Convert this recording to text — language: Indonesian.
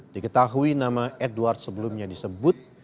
diketahui nama edward sebelumnya disebut